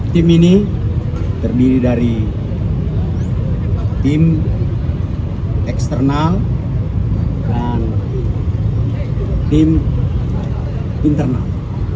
tim ini terdiri dari tim eksternal dan tim internal